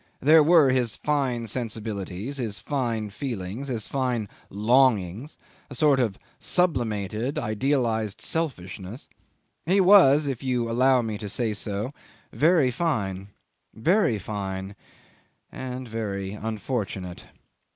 There were his fine sensibilities, his fine feelings, his fine longings a sort of sublimated, idealised selfishness. He was if you allow me to say so very fine; very fine and very unfortunate.